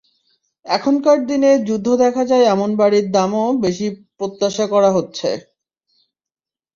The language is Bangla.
এখনকার দিনে যুদ্ধ দেখা যায় এমন বাড়ির দামও বেশি প্রত্যাশা করা হচ্ছে।